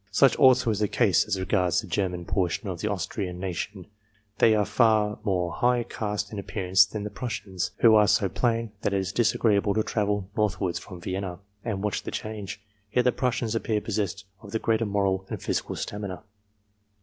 Such also is the case as regards theGerman portion of the Austrian nation ; they are far more high caste in appearance than the Prussians, who are so plain that it is disagreeable to travel north wards from Vienna and watch the change ; yet the 336 THE COMPARATIVE WORTH Prussians appear possessed of the greater moral and physical stamina.